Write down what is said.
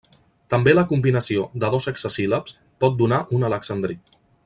També la combinació de dos hexasíl·labs pot donar un alexandrí.